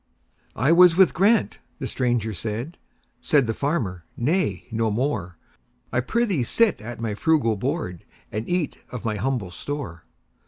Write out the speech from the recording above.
"I was with Grant"—the stranger said; Said the farmer, "Nay, no more,—I prithee sit at my frugal board, And eat of my humble store.